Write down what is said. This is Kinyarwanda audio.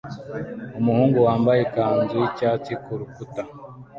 Umuhungu wambaye ikanzu yicyatsi kurukuta